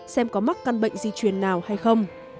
xem có mắc căn bệnh di truyền nào hay không